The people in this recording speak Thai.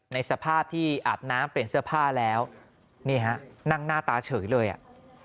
ในสภาพที่อาบน้ำเปลี่ยนเสื้อผ้าแล้วนี่ฮะนั่งหน้าตาเฉยเลยอ่ะ